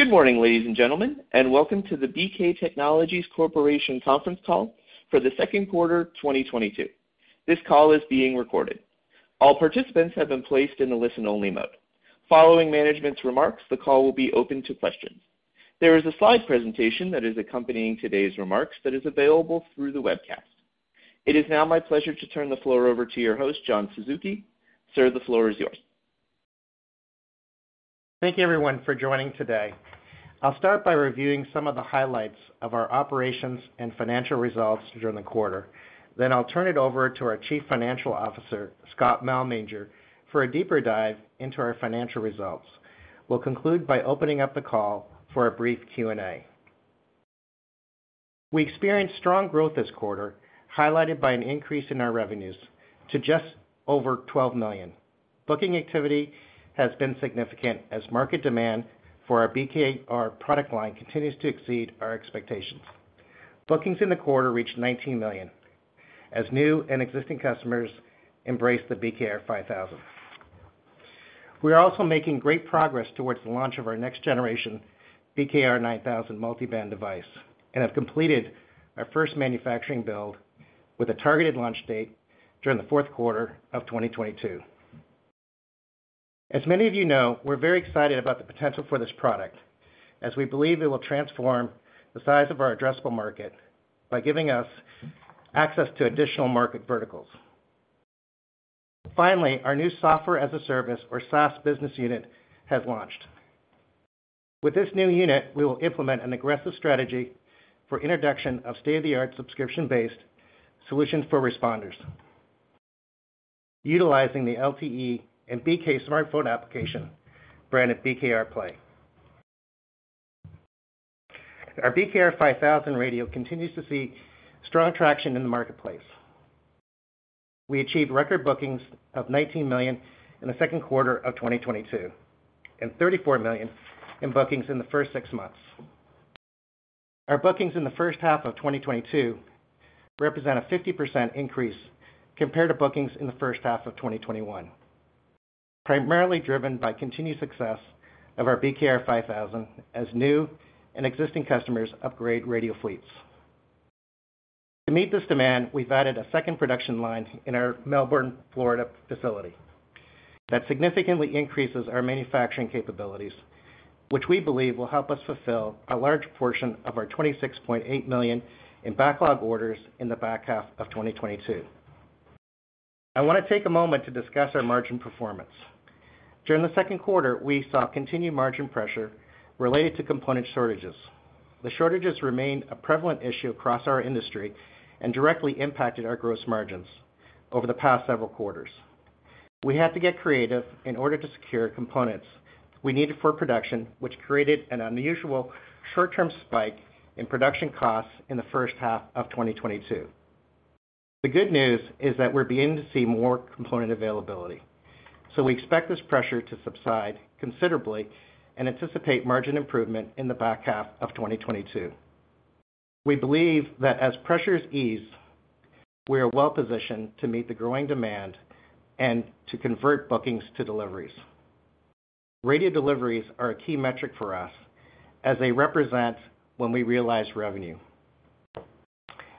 Good morning, ladies and gentlemen, and welcome to the BK Technologies Corporation conference call for the second quarter 2022. This call is being recorded. All participants have been placed in a listen-only mode. Following management's remarks, the call will be open to questions. There is a slide presentation that is accompanying today's remarks that is available through the webcast. It is now my pleasure to turn the floor over to your host, John Suzuki. Sir, the floor is yours. Thank you everyone for joining today. I'll start by reviewing some of the highlights of our operations and financial results during the quarter, then I'll turn it over to our Chief Financial Officer, Scott Malmanger, for a deeper dive into our financial results. We'll conclude by opening up the call for a brief Q&A. We experienced strong growth this quarter, highlighted by an increase in our revenues to just over $12 million. Booking activity has been significant as market demand for our BKR product line continues to exceed our expectations. Bookings in the quarter reached $19 million, as new and existing customers embrace the BKR 5000. We are also making great progress towards the launch of our next generation BKR 9000 multiband device, and have completed our first manufacturing build with a targeted launch date during the fourth quarter of 2022. As many of you know, we're very excited about the potential for this product, as we believe it will transform the size of our addressable market by giving us access to additional market verticals. Finally, our new software as a service or SaaS business unit has launched. With this new unit, we will implement an aggressive strategy for introduction of state-of-the-art subscription-based solutions for responders, utilizing the LTE and BK smartphone application brand of BKRplay. Our BKR 5000 radio continues to see strong traction in the marketplace. We achieved record bookings of $19 million in the second quarter of 2022, and $34 million in bookings in the first 6 months. Our bookings in the first half of 2022 represent a 50% increase compared to bookings in the first half of 2021, primarily driven by continued success of our BKR 5000 as new and existing customers upgrade radio fleets. To meet this demand, we've added a second production line in our Melbourne, Florida facility that significantly increases our manufacturing capabilities, which we believe will help us fulfill a large portion of our $26.8 million in backlog orders in the back half of 2022. I wanna take a moment to discuss our margin performance. During the second quarter, we saw continued margin pressure related to component shortages. The shortages remained a prevalent issue across our industry and directly impacted our gross margins over the past several quarters. We had to get creative in order to secure components we needed for production, which created an unusual short-term spike in production costs in the first half of 2022. The good news is that we're beginning to see more component availability. We expect this pressure to subside considerably and anticipate margin improvement in the back half of 2022. We believe that as pressures ease, we are well-positioned to meet the growing demand and to convert bookings to deliveries. Radio deliveries are a key metric for us as they represent when we realize revenue.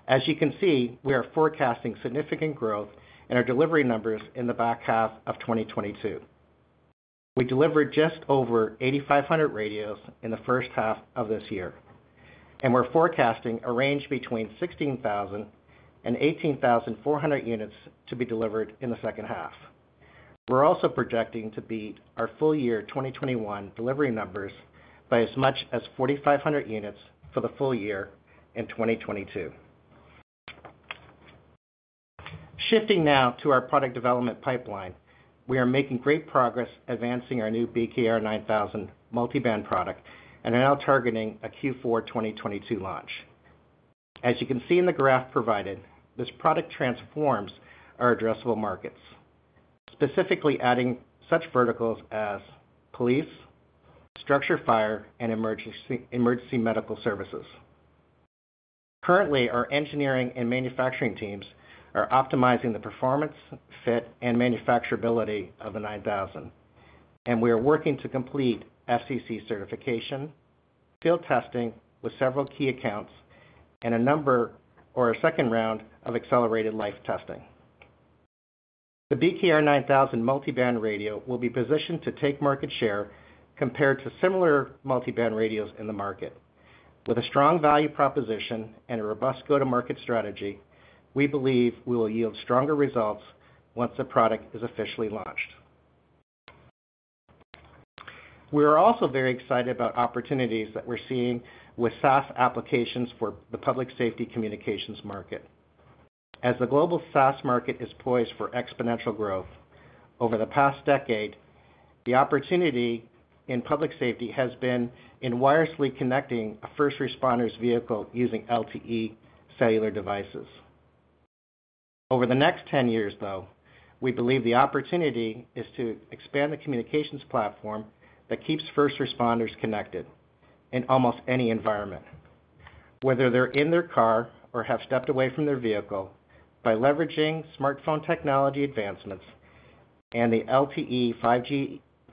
As you can see, we are forecasting significant growth in our delivery numbers in the back half of 2022. We delivered just over 8,500 radios in the first half of this year, and we're forecasting a range between 16,000 and 18,400 units to be delivered in the second half. We're also projecting to beat our full year 2021 delivery numbers by as much as 4,500 units for the full year in 2022. Shifting now to our product development pipeline. We are making great progress advancing our new BKR 9000 multiband product and are now targeting a Q4 2022 launch. As you can see in the graph provided, this product transforms our addressable markets, specifically adding such verticals as police, structure fire, and emergency medical services. Currently, our engineering and manufacturing teams are optimizing the performance, fit, and manufacturability of the 9000, and we are working to complete FCC certification, field testing with several key accounts, and another round of accelerated life testing. The BKR 9000 multiband radio will be positioned to take market share compared to similar multiband radios in the market. With a strong value proposition and a robust go-to-market strategy, we believe we will yield stronger results once the product is officially launched. We are also very excited about opportunities that we're seeing with SaaS applications for the public safety communications market. As the global SaaS market is poised for exponential growth over the past decade, the opportunity in public safety has been in wirelessly connecting a first responder's vehicle using LTE cellular devices. Over the next 10 years, though, we believe the opportunity is to expand the communications platform that keeps first responders connected in almost any environment. Whether they're in their car or have stepped away from their vehicle, by leveraging smartphone technology advancements and the LTE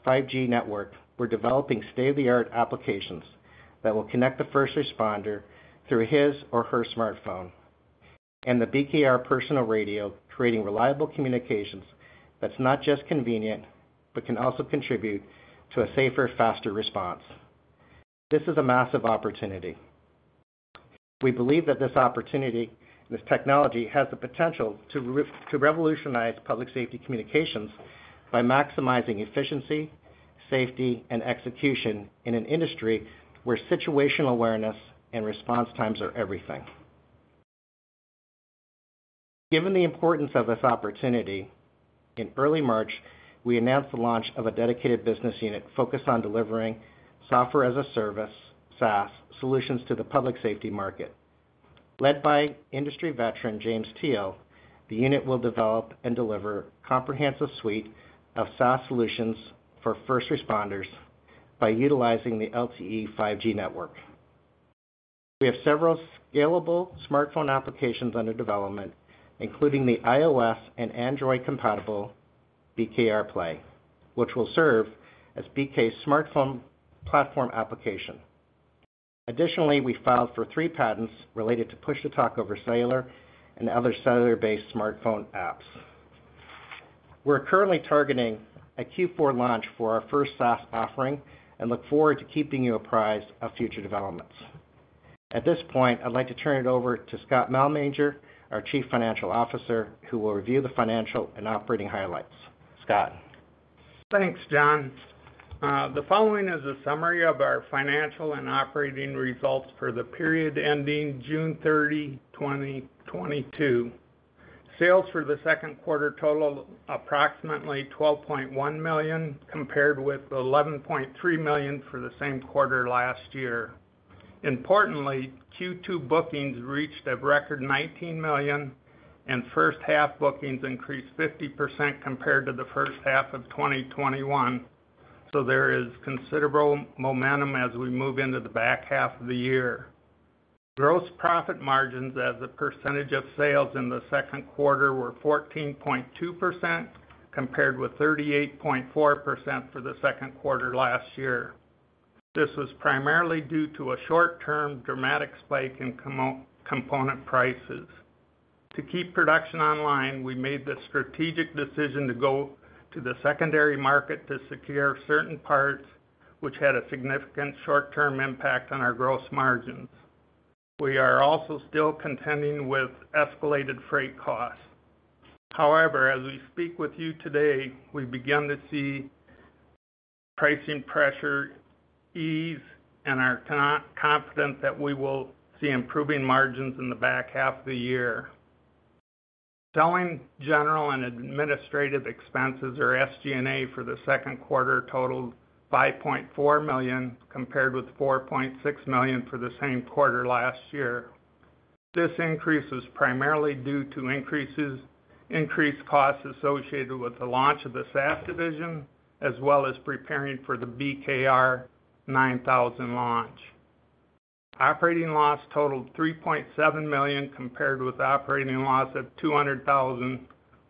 5G network, we're developing state-of-the-art applications that will connect the first responder through his or her smartphone and the BKR personal radio, creating reliable communications that's not just convenient, but can also contribute to a safer, faster response. This is a massive opportunity. We believe that this opportunity and this technology has the potential to revolutionize public safety communications by maximizing efficiency, safety, and execution in an industry where situational awareness and response times are everything. Given the importance of this opportunity, in early March, we announced the launch of a dedicated business unit focused on delivering software as a service, SaaS, solutions to the public safety market. Led by industry veteran James Teel, the unit will develop and deliver comprehensive suite of SaaS solutions for first responders by utilizing the LTE 5G network. We have several scalable smartphone applications under development, including the iOS and Android compatible BKRplay, which will serve as BK's smartphone platform application. Additionally, we filed for three patents related to push-to-talk over cellular and other cellular-based smartphone apps. We're currently targeting a Q4 launch for our first SaaS offering and look forward to keeping you apprised of future developments. At this point, I'd like to turn it over to Scott Malmanger, our Chief Financial Officer, who will review the financial and operating highlights. Scott? Thanks, John. The following is a summary of our financial and operating results for the period ending June 30, 2022. Sales for the second quarter totaled approximately $12.1 million, compared with $11.3 million for the same quarter last year. Importantly, Q2 bookings reached a record $19 million, and first half bookings increased 50% compared to the first half of 2021. There is considerable momentum as we move into the back half of the year. Gross profit margins as a percentage of sales in the second quarter were 14.2%, compared with 38.4% for the second quarter last year. This was primarily due to a short-term dramatic spike in component prices. To keep production online, we made the strategic decision to go to the secondary market to secure certain parts, which had a significant short-term impact on our gross margins. We are also still contending with escalated freight costs. However, as we speak with you today, we begin to see pricing pressure ease and are confident that we will see improving margins in the back half of the year. Selling, general, and administrative expenses, or SG&A, for the second quarter totaled $5.4 million, compared with $4.6 million for the same quarter last year. This increase is primarily due to increased costs associated with the launch of the SaaS division, as well as preparing for the BKR 9000 launch. Operating loss totaled $3.7 million, compared with operating loss of $200,000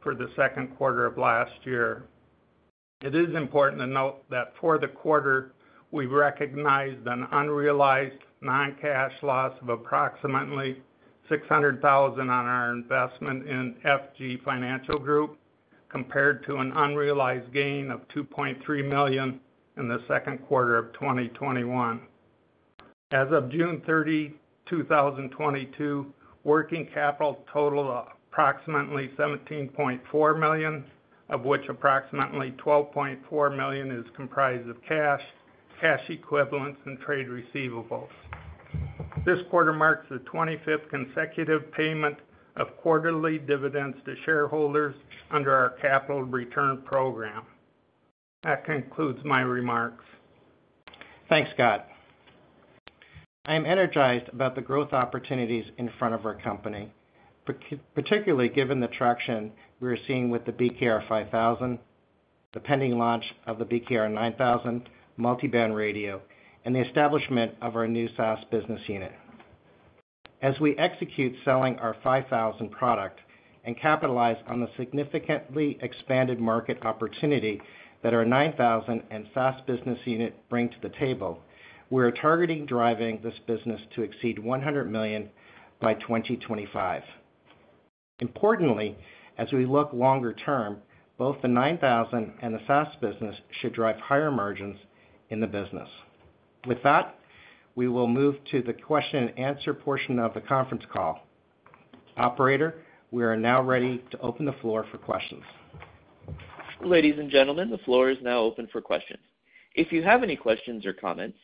for the second quarter of last year. It is important to note that for the quarter, we recognized an unrealized non-cash loss of approximately $600,000 on our investment in FG Financial Group, compared to an unrealized gain of $2.3 million in the second quarter of 2021. As of June 30, 2022, working capital totaled approximately $17.4 million, of which approximately $12.4 million is comprised of cash equivalents, and trade receivables. This quarter marks the 25th consecutive payment of quarterly dividends to shareholders under our capital return program. That concludes my remarks. Thanks, Scott. I am energized about the growth opportunities in front of our company, particularly given the traction we're seeing with the BKR 5000, the pending launch of the BKR 9000 multiband radio, and the establishment of our new SaaS business unit. As we execute selling our 5000 product and capitalize on the significantly expanded market opportunity that our 9000 and SaaS business unit bring to the table, we are targeting driving this business to exceed $100 million by 2025. Importantly, as we look longer term, both the 9000 and the SaaS business should drive higher margins in the business. With that, we will move to the question and answer portion of the conference call. Operator, we are now ready to open the floor for questions. Ladies and gentlemen, the floor is now open for questions. If you have any questions or comments,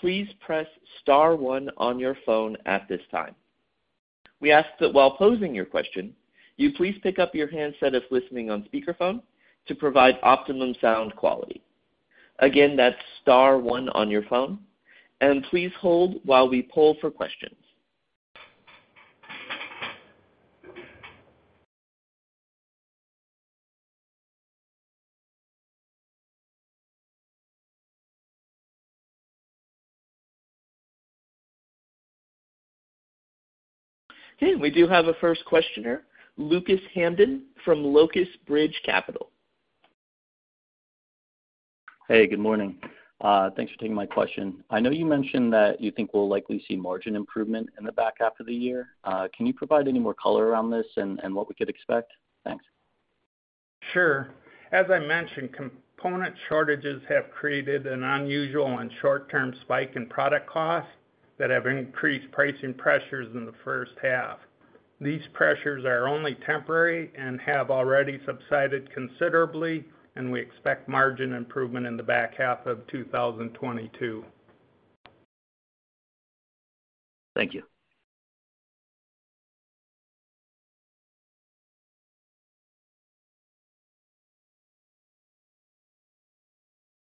please press star one on your phone at this time. We ask that while posing your question, you please pick up your handset if listening on speakerphone to provide optimum sound quality. Again, that's star one on your phone, and please hold while we poll for questions. Okay. We do have a first questioner, Lucas Hamden from Locust Bridge Capital. Hey, good morning. Thanks for taking my question. I know you mentioned that you think we'll likely see margin improvement in the back half of the year. Can you provide any more color around this and what we could expect? Thanks. Sure. As I mentioned, component shortages have created an unusual and short-term spike in product costs that have increased pricing pressures in the first half. These pressures are only temporary and have already subsided considerably, and we expect margin improvement in the back half of 2022. Thank you.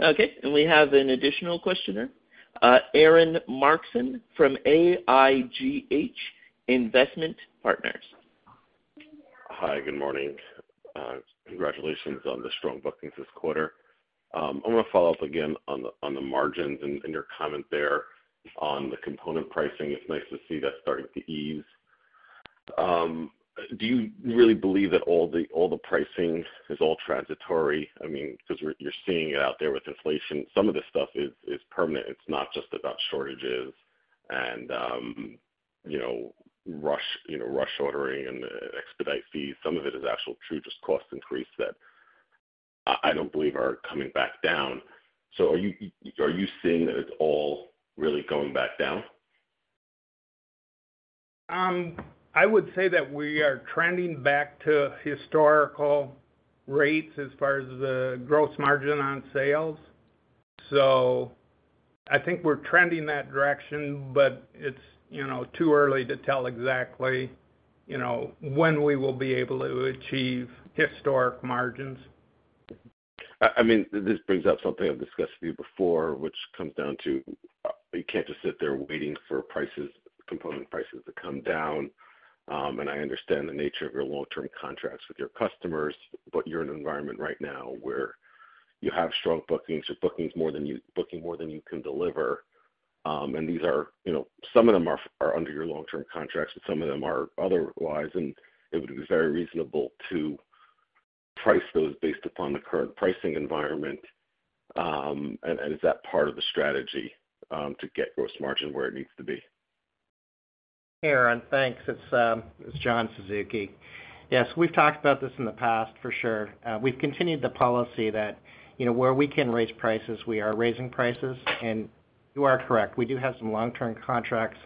Okay, we have an additional questioner. Aaron Martin from AIGH Investment Partners. Hi. Good morning. Congratulations on the strong bookings this quarter. I wanna follow up again on the margins and your comment there on the component pricing. It's nice to see that starting to ease. Do you really believe that all the pricing is all transitory? I mean, 'cause you're seeing it out there with inflation, some of this stuff is permanent. It's not just about shortages and, you know, rush, you know, rush ordering and expedite fees. Some of it is actual true just cost increase that I don't believe are coming back down. Are you seeing that it's all really going back down? I would say that we are trending back to historical rates as far as the gross margin on sales. I think we're trending that direction, but it's, you know, too early to tell exactly, you know, when we will be able to achieve historic margins. I mean, this brings up something I've discussed with you before, which comes down to you can't just sit there waiting for prices, component prices to come down. I understand the nature of your long-term contracts with your customers, but you're in an environment right now where you have strong bookings, booking more than you can deliver. These are. You know, some of them are under your long-term contracts and some of them are otherwise, and it would be very reasonable to price those based upon the current pricing environment. Is that part of the strategy to get gross margin where it needs to be? Aaron, thanks. It's John Suzuki. Yes, we've talked about this in the past for sure. We've continued the policy that, you know, where we can raise prices, we are raising prices. You are correct, we do have some long-term contracts,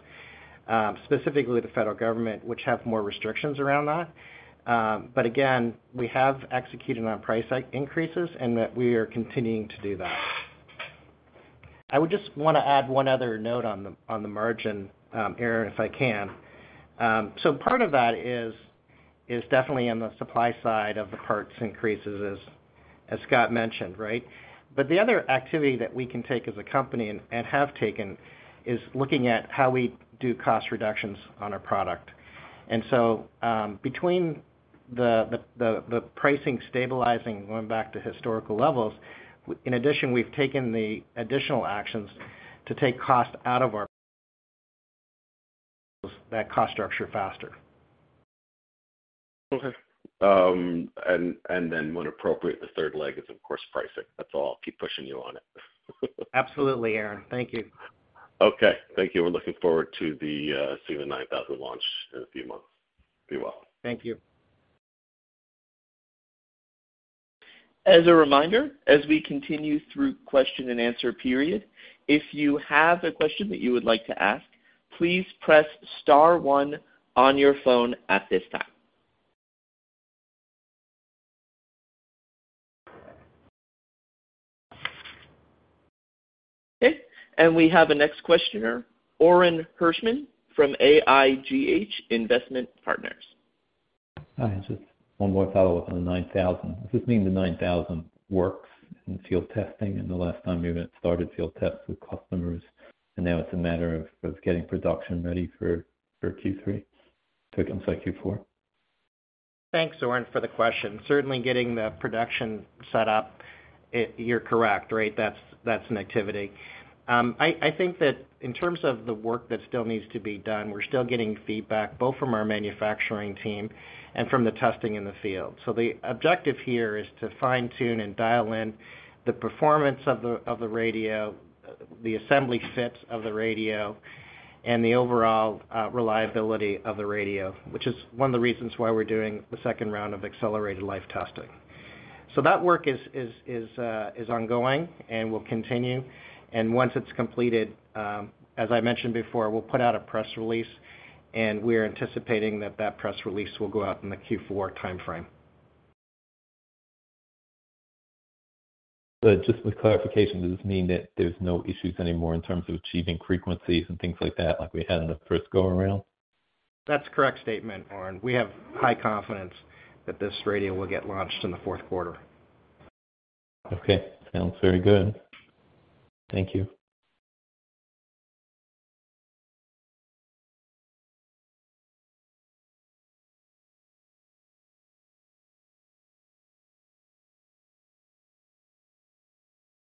specifically the federal government, which have more restrictions around that. Again, we have executed on price increases and that we are continuing to do that. I would just wanna add one other note on the margin, Aaron, if I can. Part of that is definitely on the supply side of the parts increases as Scott mentioned, right? The other activity that we can take as a company and have taken is looking at how we do cost reductions on our product. Between the pricing stabilizing going back to historical levels, in addition, we've taken the additional actions to take cost out of our cost structure faster. Okay. Then when appropriate, the third leg is of course pricing. That's all. I'll keep pushing you on it. Absolutely, Aaron. Thank you. Okay. Thank you. We're looking forward to the BKR 9000 launch in a few months. Be well. Thank you. As a reminder, as we continue through question and answer period, if you have a question that you would like to ask, please press star one on your phone at this time. Okay. We have a next questioner, Orin Hirschman from AIGH Investment Partners. Hi. Just one more follow-up on the 9000. Does this mean the 9000 works in field testing? The last time you even started field tests with customers, and now it's a matter of getting production ready for Q3 to come, so Q4. Thanks, Orin, for the question. Certainly getting the production set up, you're correct, right, that's an activity. I think that in terms of the work that still needs to be done, we're still getting feedback both from our manufacturing team and from the testing in the field. The objective here is to fine-tune and dial in the performance of the radio, the assembly fit of the radio, and the overall reliability of the radio, which is one of the reasons why we're doing the second round of accelerated life testing. That work is ongoing and will continue. Once it's completed, as I mentioned before, we'll put out a press release, and we are anticipating that that press release will go out in the Q4 timeframe. Just with clarification, does this mean that there's no issues anymore in terms of achieving frequencies and things like that, like we had in the first go-around? That's a correct statement, Orin. We have high confidence that this radio will get launched in the fourth quarter. Okay. Sounds very good. Thank you.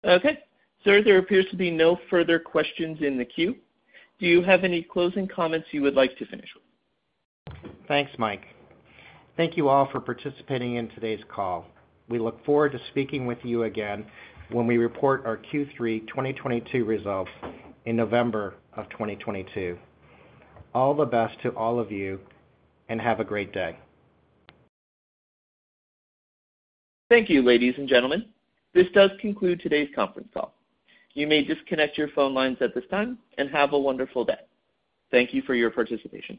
Okay. Sir, there appears to be no further questions in the queue. Do you have any closing comments you would like to finish with? Thanks, Mike. Thank you all for participating in today's call. We look forward to speaking with you again when we report our Q3 2022 results in November of 2022. All the best to all of you, and have a great day. Thank you, ladies and gentlemen. This does conclude today's conference call. You may disconnect your phone lines at this time, and have a wonderful day. Thank you for your participation.